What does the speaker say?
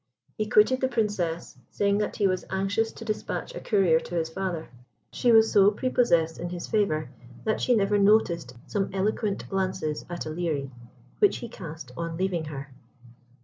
He quitted the Princess, saying that he was anxious to despatch a courier to his father. She was so prepossessed in his favour that she never noticed some eloquent glances at Ilerie, which he cast on leaving her.